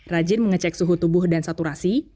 rajin mengecek suhu tubuh dan saturasi